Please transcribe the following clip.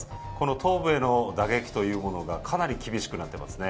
頭部への打撃というものがかなり厳しくなっていますね。